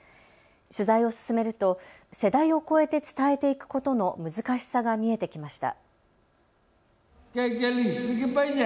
取材を進めると世代を超えて伝えていくことの難しさが見えてきました。